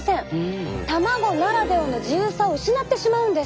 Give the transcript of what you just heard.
卵ならではの自由さを失ってしまうんです。